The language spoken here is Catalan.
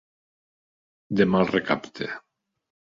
De mal recapte.